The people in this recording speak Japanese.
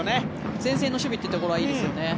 前線の守備というところはいいですよね。